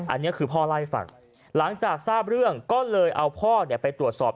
อันนี้คือพ่อเล่าให้ฟังหลังจากทราบเรื่องก็เลยเอาพ่อไปตรวจสอบ